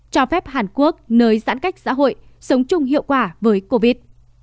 cho phép hàn quốc nơi giãn cách xã hội sống chung hiệu quả với covid